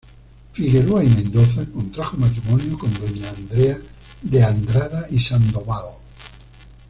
Figueroa y Mendoza contrajo matrimonio con doña Andrea de Andrada y Sandoval.